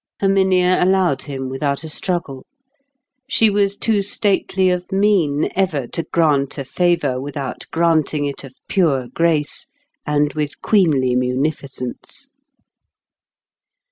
Herminia allowed him without a struggle; she was too stately of mien ever to grant a favour without granting it of pure grace, and with queenly munificence.